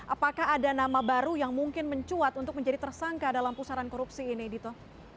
apakah ada nama baru yang mungkin mencuat untuk menjadi tersangka dalam pusaran korupsi ini dito